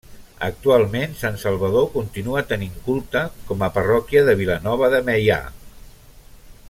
Actualment, Sant Salvador continua tenint culte com a parròquia de Vilanova de Meià.